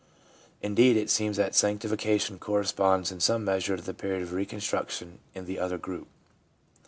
Indeed, it seems that sanctification corre sponds in some measure to the period of reconstruction in the other group.